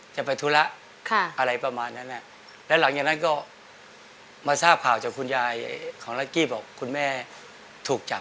อเจมส์แล้วหลังจากนั้นก็มาทราบข่าวจากคุณยายของรักกี้บอกคุณแม่ถูกจับ